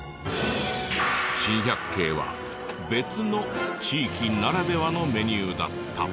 珍百景は別の地域ならではのメニューだった。